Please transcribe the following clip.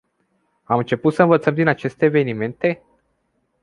Am început să învățăm din aceste evenimente?